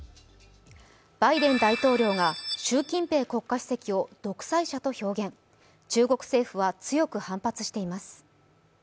バイデン大統領が習近平国家主席を独裁者と表現、中国政府は強く反発しています。